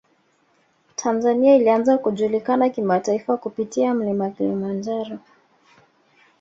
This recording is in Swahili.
tanzania ilianza kujulikana kimataifa kupitia mlima kilimanjaro